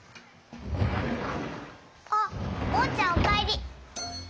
あっおうちゃんおかえり！